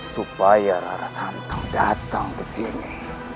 supaya rara santang datang ke sini